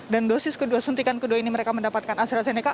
dan dosis kedua suntikan kedua ini mereka mendapatkan astrazeneca